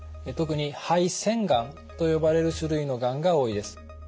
特に肺腺がんと呼ばれる種類のがんが多いです。